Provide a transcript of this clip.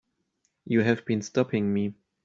You have been stopping me.